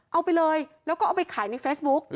เอาไปเลยแล้วก็เอาไปขายในเฟซบุ๊ก